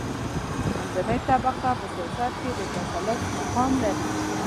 منځنۍ طبقه په سیاست کې د تسلط مقام لري.